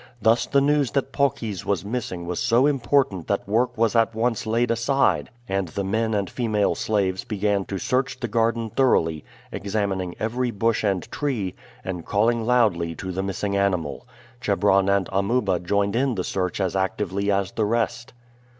Thus the news that Paucis was missing was so important that work was at once laid aside and the men and female slaves began to search the garden thoroughly, examining every bush and tree, and calling loudly to the missing animal. Chebron and Amuba joined in the search as actively as the rest.